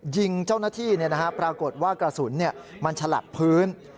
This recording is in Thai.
ยิงเจ้าหน้าที่ปรากฏว่ากระสุนมันฉลับพื้น